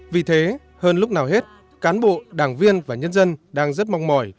vì thế hơn lúc nào hết cán bộ đảng viên và nhân dân đang rất mong mỏi